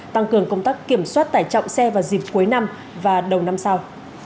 tăng cường công tác kiểm soát tải trọng xe vào dịp cuối năm và đầu năm sau